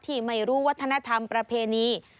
ที่ไม่รู้วัฒนธรรมประเพณี